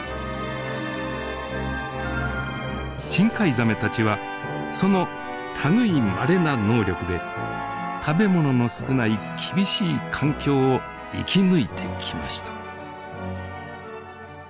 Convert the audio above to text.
深海ザメたちはその類いまれな能力で食べ物の少ない厳しい環境を生き抜いてきました。